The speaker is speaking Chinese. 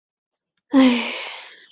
菊石目壳有间隔的部份称为闭锥。